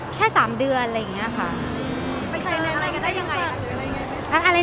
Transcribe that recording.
แค่๓เดือนแหล่งเนี่ย